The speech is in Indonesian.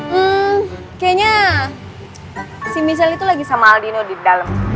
hmm kayaknya si missele itu lagi sama aldino di dalam